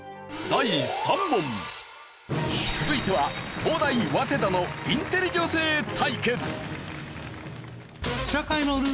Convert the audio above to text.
続いては東大早稲田のインテリ女性対決！